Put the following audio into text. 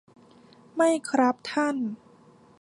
ไม่ครับท่าน